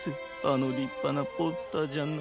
あのりっぱなポスターじゃなきゃ。